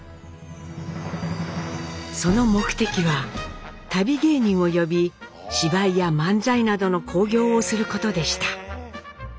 その目的は旅芸人を呼び芝居や漫才などの興行をすることでした。